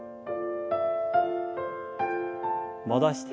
戻して。